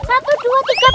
ada ada gini kak